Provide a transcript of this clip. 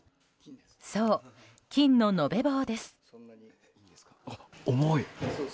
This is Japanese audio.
そう、金の延べ棒です。